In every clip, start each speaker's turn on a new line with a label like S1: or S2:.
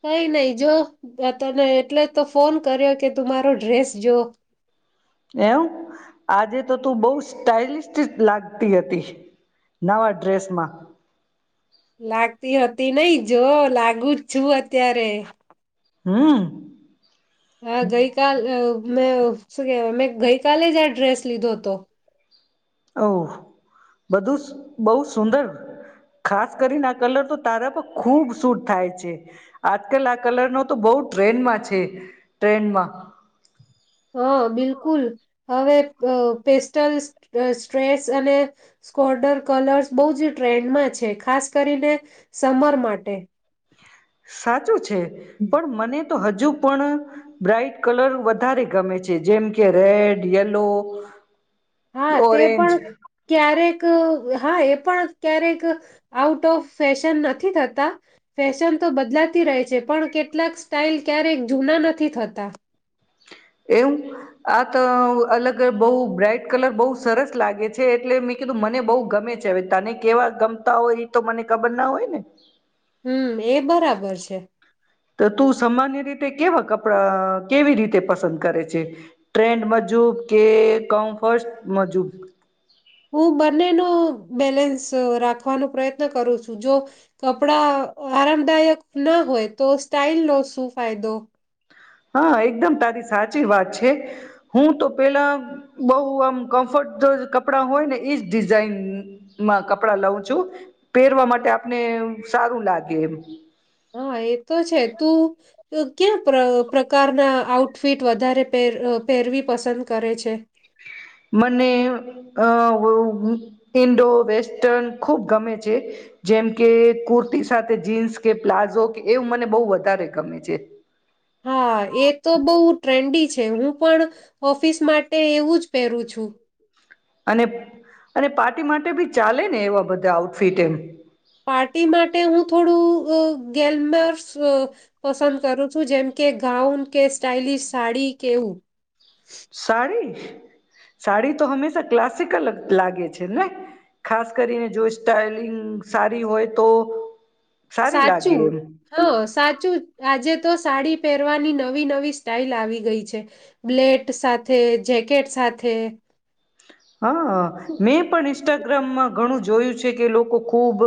S1: કઈ નહી જો. રા તને એટલે તો ફોન કર્યો કે તું મારો ડ્રેસ જો.
S2: એમ આજે તો તું બહ સ્ટઇલિસ્ટ લાગતી હતી. નવા ડ્રેસમાં.
S1: લાગતી હતી નહી. જો લાગુ જ છું અત્યારે.
S2: હમ્મ
S1: હા ગઈ કાલ મેં શું કેવાય મેં ગઈ કલે જ આ ડ્રેસ લીધો હતો.
S2: ઓ બધું બહુ સુંદર. ખાસ કરીને આ કલર તો તારા પર ખૂબ સૂટ થાય છે. આજકાલ આ કલરનો તો બહ ટ્રેનમાં છે. ટ્રેનમાં
S1: હ બિલકુલ. હવે પે પેસ્ટલસ સ્ટ્રેચ્સ અને સ્કોર્ડર કલર્સ બહુ જ ટ્રેન્ડમાં છે. ખાસ કરીને સમર માટે.
S2: સાચું છે પણ મને તો હજુ પણ બ્રઇટ કલર વધારે ગમે છે. જેમ કે રેડ, યલો
S1: હા તે
S2: ઓરેન્જ
S1: પણ ક્યારેક ક હા એ પણ ક્યારેક આઉટ ઓફ ફેશન નથી થતા. ફેશન તો બદલાતી રહે છે. પણ કેટલાક સ્ટાલ ક્યારેક જુના નથી થતા.
S2: એવું આ તો અલગ બહ બ્રાઈટ કલર બહુ સરસ લાગે છે. એટલે મેં કીધું મને બહુ ગમે છે. હવે તને કેવા ગમતા હોય એ તો મને ખબર ના હોય ને.
S1: હમ એ બરાબર છે.
S2: તો તું સામાન્ય રીતે કેવા કપડા કેવી રીતે પસંદ કરે છે? ટ્રેન્ડ મુજબ કે કમ્ફર્ટ મુજબ?
S1: હું બંનેનો બેલેન્સ રાખવાનો પ્રયત્ન કરું છું. જો કપડા આરામદાયક ના હોય તો સ્ટાઈલનો શું ફાયદો
S2: હા એકદમ તારી સાચી વાત છે. હું તો પેલા બહ આમ કમ્ફર્ટેબલ કપડાં હોય ને એજ ડિઝાઇનમાં કપડા લઉં છું. પહેરવા માટે આપને સારું લાગે એમ.
S1: હા એ તો છે તું ક્યાં પ્ર પ્રકારના આઉટફિટ વધારે પહેર પહેરવી પસંદ કરે છે?
S2: મને અ વ અ ઇન્ડો વેસ્ટર્ન ખુબ ગમે છે. જેમ કે કુર્તી સાથે જીન્સ કે પ્લાઝો કે એવું મને બહુ વધારે ગમે છે.
S1: હા એ તો બહુ ટ્રેન્ડી છ છે હું પણ ઓફિસ માટે એવું જ પેરું છું.
S2: અને અને પાર્ટી માટે બી ચાલે ને એવા બધા આઉટફિટ એમ
S1: પાર્ટી માટે હું થોડું હુ ગેમર્સ પસંદ કરું છું. જેમ કે ગાઉન કે સ્ટાઈલિશ સાડી એવું
S2: સાડી, સાડી તો હંમેશા ક્લાસિકલ જ લાગે છે ને. ખાસ કરીને જો સ્ટાઈલિંગ સાડી હોય તો સારી લાગે
S1: સાચું
S2: એમ
S1: હ સાચું આજે તો સાડી પહેરવાની નવી નવી સ્ટાઇલ આવી ગઈ છે. બ્લેટ સાથે જેકેટ સાથે
S2: હા મેં પણ ઈષ્ટ રમમાં ઘણું જોયું છે કે લોકો ખુબ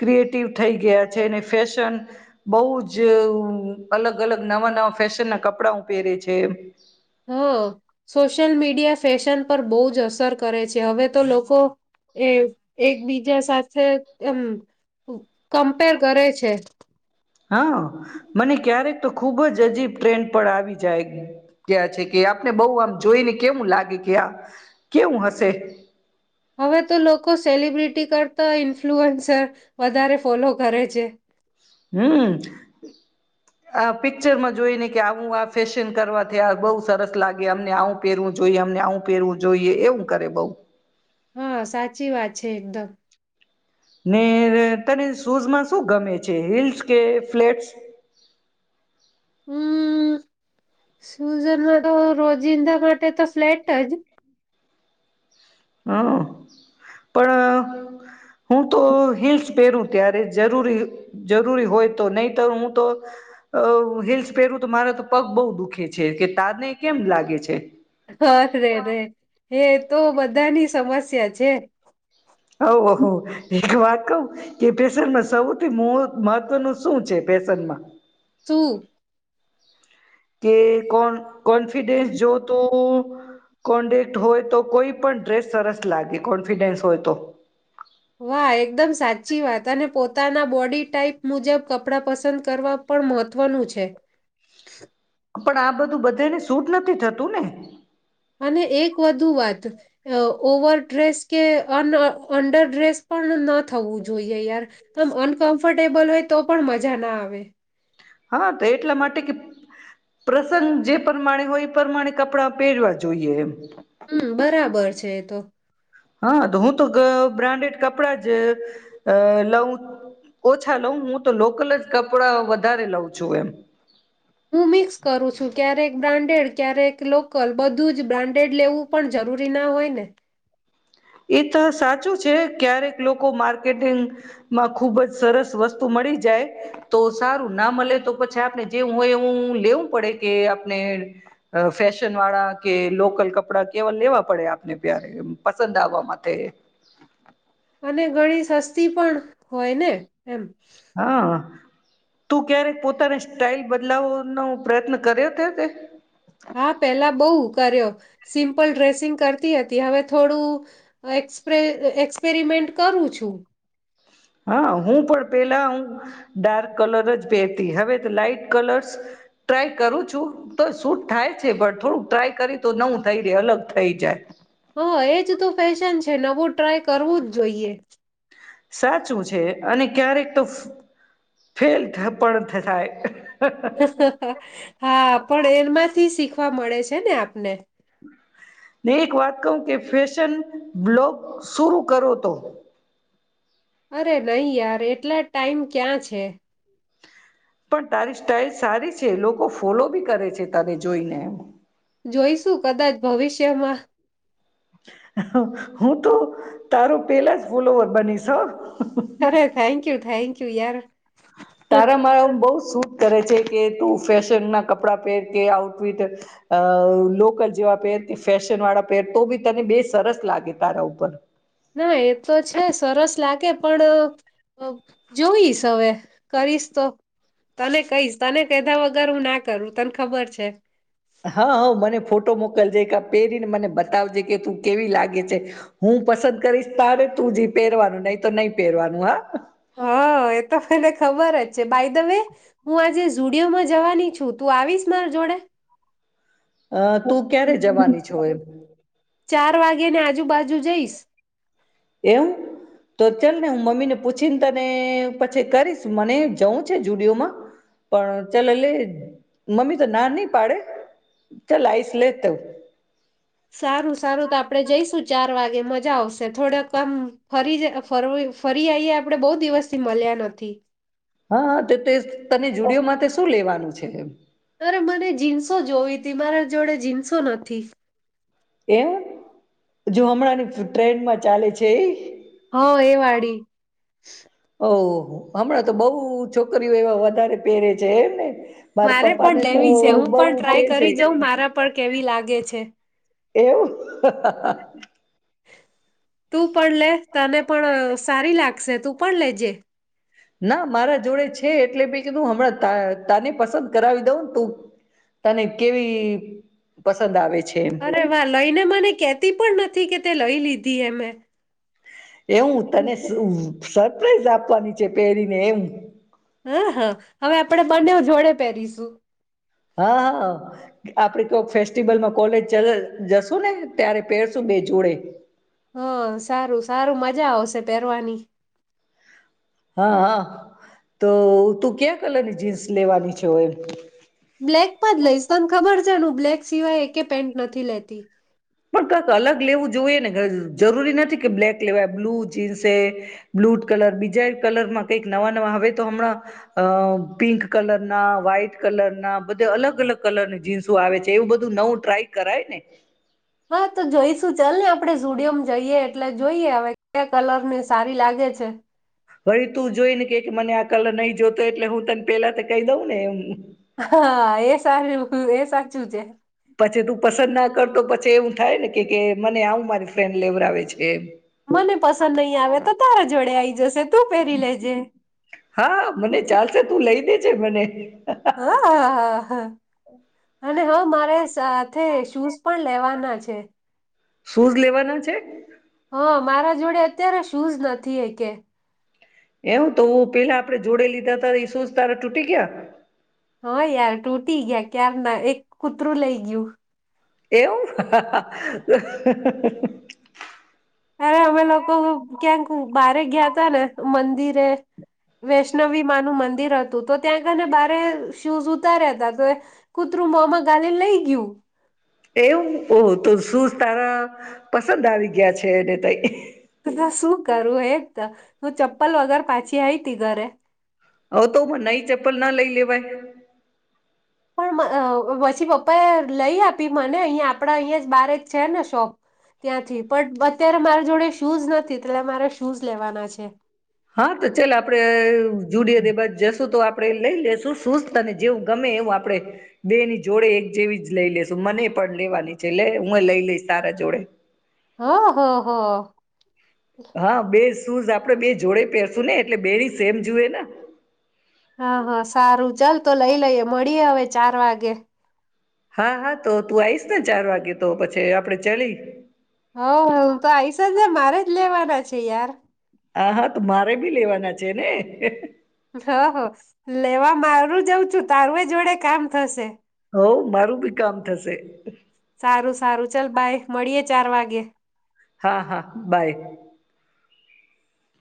S2: ક્રિએટિવ થઈ ગયા છે. અને ફેશન બહુ જ અલગ અલગ નવા નવા ફેશન ના કપડાઓ પહેરે છે.
S1: સલ મીડિયા ફેશન પર બહુ જ અસર કરે છે. હવે તો લોકો એક એકબીજા સાથે એમ કમ્પેર કરે છે.
S2: હા મને ક્યારેક તો ખૂબ જ અજીબ ટ્રેન્ડ પર આવી જાય ગયા છે. કે આપને બઉ આમ જોઈને કેવું લાગે કે આ કેવું હશે.
S1: હવે તો લોકો સેલિબ્રિટી તી કરતા ઇન્ફ્લુઅન્સર વધારે ફોલો કરે છે.
S2: હમ્મ આ પિક્ચરમાં જોઈ ને કે આવું આ ફેશન કરવાથી આ બહુ સરસ લાગે અમને આવું પહેરવું જોઈએ અમને આવું પહેરવું જોઈએ એવું કરે બહુ
S1: હા સાચી વાત છે એકદમ
S2: ને તને શૂઝમાં શું ગમે છે? હિલ્લ્સ કે ફ્લેટ્સ?
S1: હમ્મ સુજારનો તો રોજિંદા માટે તો ફ્લેટ જ
S2: હમ પણ હું તો હિલ્સ પહેરું ત્યારે જરૂરી જરૂરી હોય તો નહી તો હું તો હિલ્લ્સ પહેરું તો મારા તો પગ બહુ દુખે છે કે તારને કેમ લાગે છે.
S1: હા. [unintelligible] હે તો બધાની સમસ્યા છે
S2: ઓહો એક વાત કહું કે ફેશનમાં સૌથી મહત્વનું શું છે ફેશનમાં
S1: શું?
S2: કે કોણ કોન્ફિડેન્સ જો તો કોડેક હોય તો કોઈ પણ ડ્રેસ સરસ લાગે કોન્ફિડન્સ હોય તો.
S1: વાહ! એકદમ સાચી વાત અને પોતાના બોડી ટાઈપ મુજબ કપડા પસંદ કરવા પણ મહત્વનું છે.
S2: પણ આ બધું બધાને સૂટ નથી થતું ને.
S1: અને એક વધુ વાત. ઓવર ડ્રેસ કે આન અંડર ડ્રેસ પણ થવું જોઈએ યાર, તો અનકમ્ફર્ટેબલ હોય તો પણ મજા ના આવે.
S2: હા તો એટલા માટે, કે પ્રસંગ જે પ્રમાણે હોય એ પ્રમાણે કપડા પહેરવા જોઈએ એમ.
S1: હમ્મ બરાબર છે એ તો.
S2: હા તો હું તો બ્રાન્ડેડ કપડા જ, લઉં ઓછા લઉં હું તો લોકલ જ કપડાં વધારે લઉં છું એમ.
S1: હું મિક્સ કરું છું ક્યારેક બ્રાન્ડેડ, ક્યારેક લોકલ બધું જ બ્રાન્ડેડ લેવું પણ જરૂરી ના હોય ને, કે
S2: એ તો સાચું છે ક્યારેક લોકો માર્કેટિંગમાં, ખુબ જ સરસ વસ્તુ મળી જાય, તો સારું ના મળે તો પછી આપણે જેવું હોય એવું લેવું પડે કે આપણે, ફેશન વાળા કે લોકલ કપડા કેવા લેવા પડે આપને ત્યારે પણ પસંદ આવવા માટે.
S1: અને ઘણી સસ્તી પણ હોય ને એમ.
S2: હા તું ક્યારેક પોતાની સ્ટાઈલ બદલાવવાનો પ્રયત્ન કર્યો હતો તે?
S1: હા પેલા બહુ કર્યો સિમ્પલ ડ્રેસિંગ કરતી હતી હવે થોડું એ પ્ર એક્સપેરિમેન્ટ કરું છું.
S2: હા હું પણ પેલા હું ડાર્ક કલર જ પહેતી હવે લાઈટ કલરસ ટ્રાય કરું છું તો શૂટ થાય છે પણ થોડુંક ટ્રાય કરી તો નવું થઈ રે અલગ થઈ જાય.
S1: હા એજ તો ફેશન છે નવું ટ્રાય કરવું જ જોઈએ.
S2: સાચું છે અને ક્યારેક તો ફેલ પણ થતા થાય.
S1: હા, હા, હા, હા. પણ એમાંથી શીખવા મળે છે ને આપને.
S2: ને એક વાત કહું કે ફેશન બ્લોગ શરૂ કરો તો
S1: અરે નહી યાર એટલા ટાઈમ ક્યાં છે.
S2: પણ તારી સ્ટાઈલ સારી છે લોકો ફોલો બી કરે છે તારે જોઈને એમ.
S1: જોઈશું કદાચ [unintelligible]
S2: હા હું તો તારું પેલા જ ફોલોવર બનીશ હા.
S1: અરે thank you thank you. You યાર
S2: તારેા મારે હું બઉ શૂટ કરે છે કે તું ફેશન ના કપડા પહેર કે આઉટફિટ લોકલ જેવા પહેર કે ફેશન વાળા પહેર તો બી તને બે સરસ લાગે તારા ઉપર
S1: ના એ તો છે સરસ લાગે પણ જોઈશ હવે કરીશ તો તને કહીશ તને કેધા વગર હું ના કરું તને ખબર છે.
S2: હા હ મને ફોટો મોકલજે એક પહેરીને મને બતાવજે કે તું કેવી લાગે છે હું પસંદ કરીશ તારે તું જ પહેરવાનું નહી તો નહી પહેરવાનું હા
S1: હા એ તો મને ખબર જ બાઈ દવે હું આજે ઝુંડિયોમાં જવાની છું તું આવીશ મારા જોડે?
S2: અ તું ક્યારે જવાની છો એ?
S1: ચાર વાગ્યા ને આજુબાજુ જઈશ.
S2: એવું તો ચાલ ને હું મમ્મીને પૂછીને તને પછી કરીશ મને જઉં છે જુડિયોમાં પણ ચાલ લે મમ્મી તો ના નહી પાડે ચાલ આઈશ લે તવ
S1: સારું સારું તો આપડણે જઈશું ચાર વાગે મજા આવશે થોડાક કામ ફરી ફરી આઈએ આપડણે બહુ દિવસથી મળ્યા નથી.
S2: હા તો તે તને જુડિયોમાં શું લેવાનું છે? છે.
S1: અરે મને જીન્સો જોવી ત મારા જોડે જીન્સો નથી.
S2: એમ જો હમણાં ની ટ્રેન માં ચાલે છે એ
S1: હ એ વાડી.
S2: ઓહ હમણાં તો બહુ છોકરીઓ એવા વધારે પહેરે છે એમને મારા
S1: મારે
S2: પપ્પા
S1: પણ
S2: ને તો
S1: લેવી છે હું
S2: બહુ
S1: પણ
S2: કે
S1: ટ્રાય
S2: છે
S1: કરી જાઉં મારા પણ કેવી લાગે છે
S2: એવું
S1: તું પણ લે તને પણ સારી લાગશે તું પણ લેજે
S2: ના મારા જોડે છે એટલે પું હમણાં તાને પસંદ કરાવી દઉં ને તું તાને કેવી પસંદ આવે છે. એમ
S1: અરે વા લઈને મને કેતી પણ નથી કે તે લઈ લીધી એ મેં
S2: એવું તને શું સરપ્રાઈઝ આપવાની છે પહેરીને એમ
S1: હા હા હવે આપણે બંને જોડે પહેરીશું.
S2: હા હા, આપડ કોક ફેસ્ટિવલમાં કોલેજ જશું ને ત્યારે પહેરશું બે જોડે.
S1: હા સારું સારું મ મજા આવશે પહેરવાની.
S2: હા હા તો તું ક્યા કલરની જીન્સ લેવાની છે એમ
S1: બ્લેક પદ લઈશ તોને ખબર જનું બ્લેક સિવાય એક પેન્ટ નથી લેતી.
S2: પણ કઈક અલગ લેવું જોઈએ ને જરૂરી નથી કે બ્લેક લેવાય બ્લુ જીન્સે બ્લુ કલર બીજા કલરમાં કંઈક નવા નવા હવે તો હમણાં પિંક કલરના વ્હાઈટ કલરના બધે અલગ અલગ કલરની જીન્સ આવે છે એવું બધું નવું ટ્રાય કરાય ને
S1: હા તો જોઈશું ચલે ને આપ આપણે સ્ટુડિયોમાં જઈએ એટલે જોઈએ હવે ક્યા કલર ની સારી લાગે છે.
S2: વળ તું જોઈ ને કે મને આ કલર નહી જોતો એટલે હું તને પેલા તો કહી દઉં ને એમ
S1: હ એ સાચું છે.
S2: પછી તું પસંદ ના કરતો પછી એવું થાય ને કે મને આવું મારી ફ્રેન્ડ લેવડાવ છે એમ
S1: મને પસંદ નહીં આવે તો તારા જોડે આઈ જશે. તું પહેરી લેજે
S2: હા મને ચાલશે તું લઈ દે. છે મને
S1: હા હા હા હા અને હ મારે સાથે શુંઝ પણ લેવાના છે.
S2: શુંઝ લેવાના છે.
S1: હા મારા જોડે અત્યારે શુંઝ નથી હ કે
S2: એમ તો પેલા આપે જોડે લીધા ત એ શુંજ તારા તૂટી ગયા.
S1: હા યાર તૂટી ગયા કાર ના એક કૂતરું લઈ ગયું.
S2: એવું
S1: અરે અમે લોકો ક્યાંક બારે ગયા ત ને મંદિરે વૈષ્ણવી મામાં નું મંદિર હતું. તો ત્યાં ગને બારે શૂઝ ઉતાર્યા હતા તો કૂતરું મોમાં ગાલે લઈ ગયું. [inaudible]
S2: એવું ઓહ તો શું તારા પસંદ આવી ગયા છેને ત
S1: શું કરું એક હું ચપ્પલ વગર પાછી આવીઈ તી ઘરે.
S2: હ તો મના ચપ્પલ ના લઈ લેવાય.
S1: પણ પછી પપ્પા એ લઈ આપી મને અહીંયા આપણા અહીં જ બાર જ છે ને શોપ ત્યાંથી પણ અત્યારે મારા જોડે શૂઝ નથી એટલે મારે શૂઝ લેવાના છે.
S2: હા તો ચાલ આપડે જોડીએ દ બાદ જશું તો આપડે લઈ લેશું. શુંસ્તને જેવું ગમે એવું આપડે બે ની જોડે એક જેવી જ લઈ લેશું મને પણ લેવાની છે એટલે હું લઈ લઈશ સારા જોડે
S1: હા હા હા.
S2: હા બેસ શુંઝ આપડે બે જોડે પહેરશું ને એટલે બેની સેમ જોએ ને
S1: હા હા સારું ચાલ તો લઈ લઈએ મળીએ હવે ચાર વાગે
S2: હા હા તો તું આવીઈશ ને ચાર વાગે તો પછી આપડે ચલી
S1: હ તો આઈશ જ મારે રે જ લેવાના છે યાર.
S2: હા હા તો મારે ભી લેવાના છે ને
S1: બારું જઉં છું તારું એ જોડે કામ થશે
S2: હ મારું બી કામ થશે
S1: સારું સારું ચાલ બાય મળીએ ચાર વાગે
S2: હા હા બાય